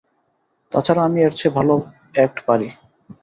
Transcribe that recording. তাছাড়া, আমি এর চেয়েও ভালো অ্যাক্ট পারি।